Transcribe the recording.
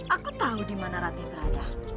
aku tahu di mana rati berada